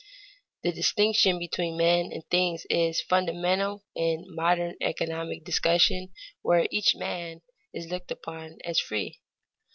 The distinction between men and things is fundamental in modern economic discussion where each man is looked upon as free.